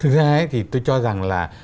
thứ hai thì tôi cho rằng là